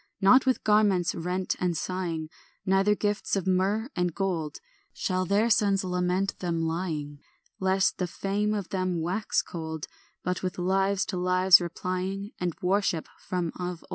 Not with garments rent and sighing, Neither gifts of myrrh and gold, Shall their sons lament them lying, Lest the fame of them wax cold; But with lives to lives replying, And a worship from of old.